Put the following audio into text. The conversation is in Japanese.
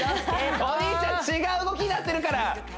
お兄ちゃん違う動きになってるから！